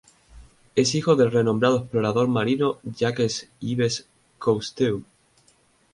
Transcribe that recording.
Es hijo del renombrado explorador marino Jacques-Yves Cousteau.